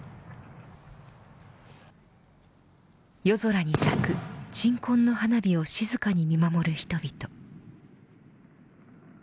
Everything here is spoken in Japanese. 夜空に咲く鎮魂の花火を静かに見守る人々。